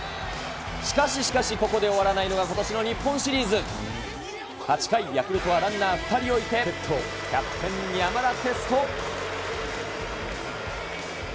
しかししかし、ここで終わらないのがことしの日本シリーズ。８回、ヤクルトはランナー２人を置いて、キャプテン、山田哲人。